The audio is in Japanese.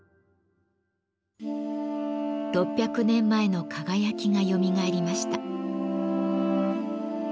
６００年前の輝きがよみがえりました。